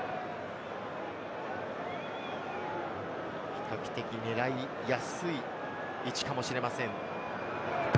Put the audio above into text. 比較的、狙いやすい位置かもしれません。